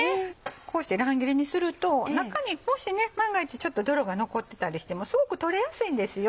こうして乱切りにすると中にもし万が一泥が残ってたりしてもすごく取れやすいんですよ。